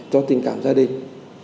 cho tình cảm gia đình